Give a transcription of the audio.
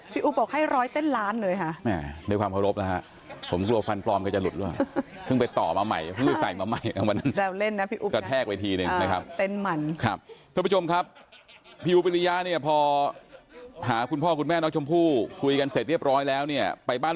ไปบ้านลุงพลต่อนะครับ